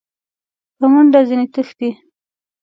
په منډه ځني تښتي !